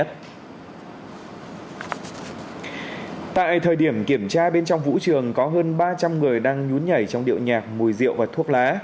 tại thời điểm kiểm tra bên trong vũ trường có hơn ba trăm linh người đang nhún nhảy trong điệu nhạc mùi rượu và thuốc lá